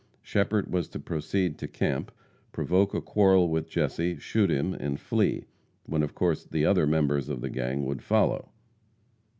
Shepherd was to proceed to camp, provoke a quarrel with Jesse, shoot him and flee, when of course the other members of the gang would follow.